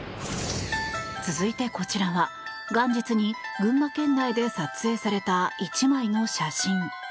続いてこちらは元日に群馬県内で撮影された１枚の写真。